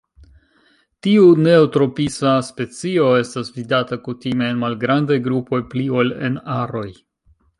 Tiu neotropisa specio estas vidata kutime en malgrandaj grupoj pli ol en aroj.